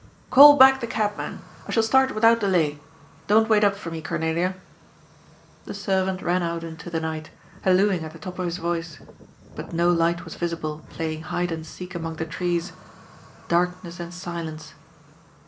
'^ Gall back the cabman ! I shall start without delay. — Don't wait up for me, Cornelia." The servant ran out into the night, hallooing at the top of his voice. But no light was visible playing hide and seek among the trees. Darkness and silence.